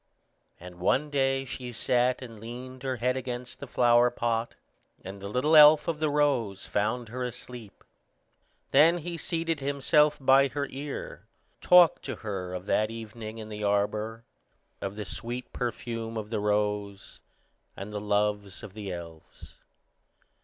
And one day she sat and leaned her head against the flower pot, and the little elf of the rose found her asleep. Then he seated himself by her ear, talked to her of that evening in the arbor, of the sweet perfume of the rose, and the loves of the elves.